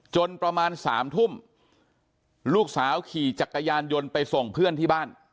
จนประมาณ๓ทุ่มลูกสาวขี่จักรยานยนต์ไปส่งเพื่อนที่บ้าน